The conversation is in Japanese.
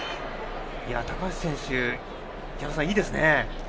高橋選手、いいですね。